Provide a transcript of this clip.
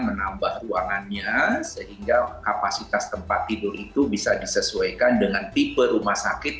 menambah ruangannya sehingga kapasitas tempat tidur itu bisa disesuaikan dengan tipe rumah sakit